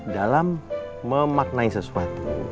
dalam memaknai sesuatu